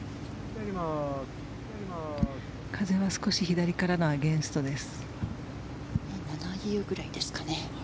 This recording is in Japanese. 風は少し左からのアゲンストです。